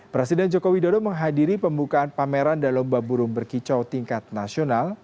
presiden joko widodo menghadiri pembukaan pameran dan lomba burung berkicau tingkat nasional